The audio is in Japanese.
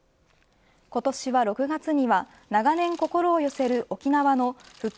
今年は６月には長年心を寄せる沖縄の復帰